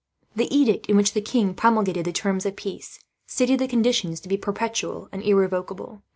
The edict, in which the king promulgated the terms of peace, stated the conditions to be perpetual and irrevocable.